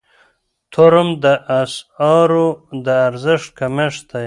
تورم د اسعارو د ارزښت کمښت دی.